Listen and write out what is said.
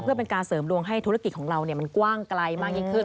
เพื่อเป็นการเสริมดวงให้ธุรกิจของเรามันกว้างไกลมากยิ่งขึ้น